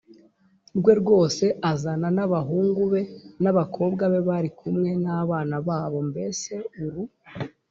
rwe rwose Azana n abahungu be n abakobwa be bari kumwe n abana babo mbese uru